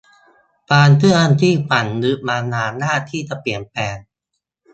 ความเชื่อที่ฝังลึกมานานยากที่จะเปลี่ยนแปลง